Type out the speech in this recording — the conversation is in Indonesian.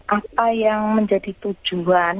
apa yang menjadi tujuan